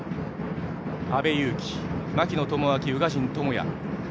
阿部勇樹、槙野智章、宇賀神友弥。